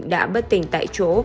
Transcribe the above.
đã bất tỉnh tại chỗ